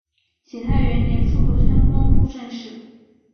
景泰元年出补山东布政使。